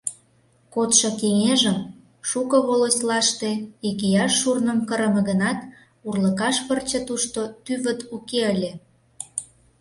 Кодшо кеҥежым шуко волостьлаште икияш шурным кырыме гынат, урлыкаш пырче тушто тӱвыт уке ыле.